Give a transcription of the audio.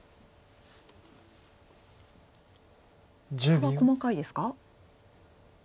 差は細かいですか？